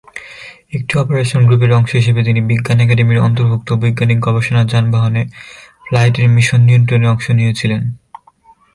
একটি অপারেশন গ্রুপের অংশ হিসাবে, তিনি বিজ্ঞান একাডেমির অন্তর্ভুক্ত বৈজ্ঞানিক গবেষণা যানবাহনের ফ্লাইটের মিশন নিয়ন্ত্রণে অংশ নিয়েছিলেন।